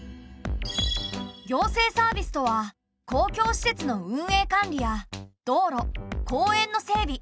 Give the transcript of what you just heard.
行政サービスとは公共施設の運営管理や道路公園の整備